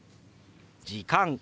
「時間」。